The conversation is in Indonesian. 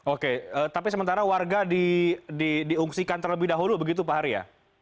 oke tapi sementara warga diungsikan terlebih dahulu begitu pak hari ya